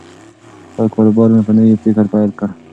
خپل کاروبار مې په نوي فکر پیل کړ.